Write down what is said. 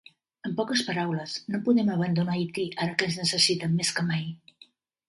En poques paraules, no podem abandonar Haití ara que ens necessiten més que mai.